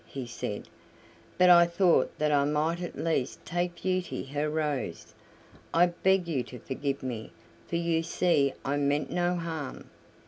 he said: "but I thought that I might at least take Beauty her rose. I beg you to forgive me, for you see I meant no harm."